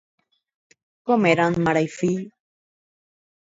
Com eren mare i fill?